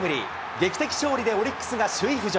劇的勝利でオリックスが首位浮上。